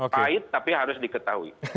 pahit tapi harus diketahui